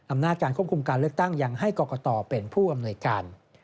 อำนาจการควบคุมการเลือกตั้งยังให้กรกตเป็นผู้อำนวยการ